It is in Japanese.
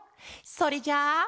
それじゃあ。